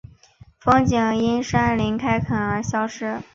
风景因山林开垦而消失